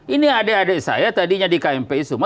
ini adik adik saya tadinya di kmp semua